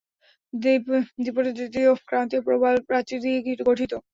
দ্বীপটি তৃতীয় ক্রান্তীয় প্রবাল প্রাচীর দিয়ে গঠিত।